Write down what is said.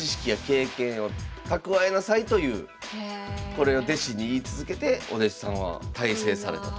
これを弟子に言い続けてお弟子さんは大成されたという。